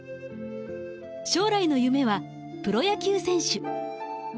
将来の夢はプロ野球選手。